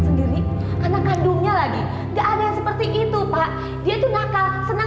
sendiri karena kandungnya lagi nggak ada yang seperti itu pak dia itu nakal senang